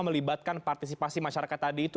melibatkan partisipasi masyarakat tadi itu